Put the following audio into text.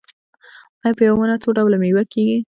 آیا په یوه ونه څو ډوله میوه کیږي؟